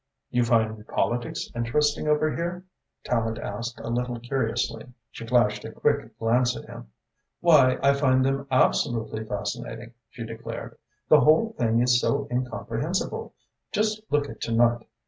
"You find politics interesting over here?" Tallente asked, a little curiously. She flashed a quick glance at him. "Why, I find them absolutely fascinating," she declared. "The whole thing is so incomprehensible. Just look at to night.